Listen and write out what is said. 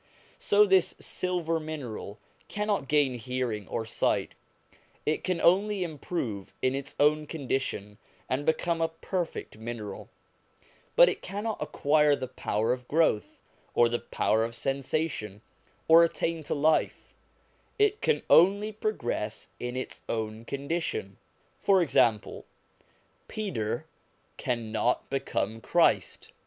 So this silver mineral cannot gain hearing or sight ; it can only improve in its own condition, and become a perfect mineral, but it cannot acquire the power of growth, or the power of sensation, or attain to life ; it can only progress in its own condition. For example, Peter cannot become Christ.